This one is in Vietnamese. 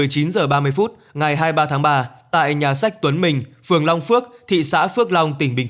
một mươi chín h ba mươi phút ngày hai mươi ba tháng ba tại nhà sách tuấn mình phường long phước thị xã phước long tỉnh bình